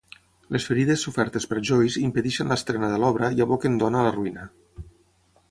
Les ferides sofertes per Joyce impedeixen l'estrena de l'obra i aboquen Don a la ruïna.